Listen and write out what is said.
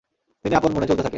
তিনি আপন মনে চলতে থাকেন।